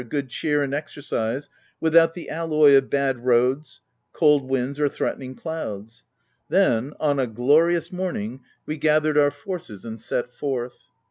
good cheer, and exercise, without the OF WILDFELL HALL. 123 alloy of bad roads, cold winds, or threatening clouds, Then, on a glorious morning, we gathered our forces and set forth.